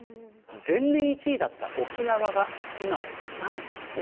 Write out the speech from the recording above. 前年１位だった沖縄が今は３位。